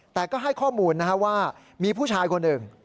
แต่ก็ให้ข้อมูลว่ามีผู้ชายคนหนึ่ง